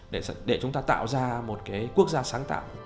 để chúng ta tạo ra một cái quốc gia sáng tạo